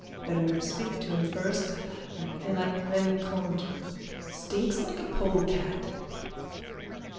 Better speak to him first. Like women they like rencontres. Stinks like a polecat.